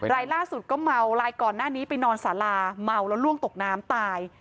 รายล่าสุดก็เมารายก่อนหน้านี้ไปนอนสาราเมาแล้วล่วงตกน้ำตาย